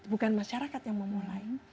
bukan masyarakat yang memulai